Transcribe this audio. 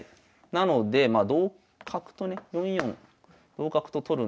なのでまあ同角とね４四同角と取るんですが。